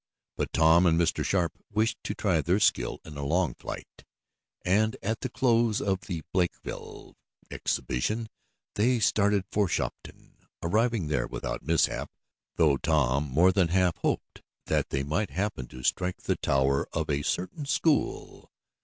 But Tom and Mr. Sharp wished to try their skill in a long flight, and at the close of the Blakeville exhibition they started for Shopton, arriving there without mishap, though Tom more than half hoped that they might happen to strike the tower of a certain school.